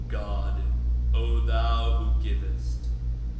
God! thou who givest!